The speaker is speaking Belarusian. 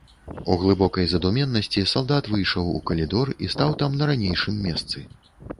У глыбокай задуменнасці салдат выйшаў у калідор і стаў там на ранейшым месцы.